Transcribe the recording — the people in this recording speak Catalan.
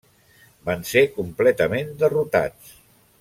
Van ser completament derrotats.